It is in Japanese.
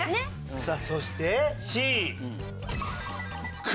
さあそしてＣ「雲」。